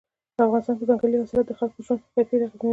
په افغانستان کې ځنګلي حاصلات د خلکو ژوند کیفیت اغېزمنوي.